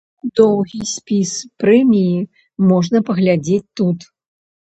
Доўгі спіс прэміі можна паглядзець тут.